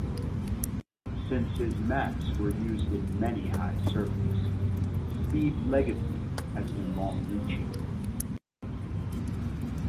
Since his maps were used in many high circles, Speed's legacy has been long-reaching.